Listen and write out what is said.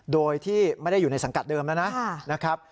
โดยที่ไม่ได้อยู่ในสังกัดเดิมแล้วนะครับ